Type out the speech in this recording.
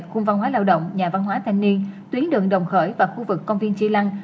cung văn hóa lao động nhà văn hóa thanh niên tuyến đường đồng khởi và khu vực công viên tri lăng